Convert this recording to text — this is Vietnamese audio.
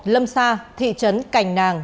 lâm sa thị trấn cành nàng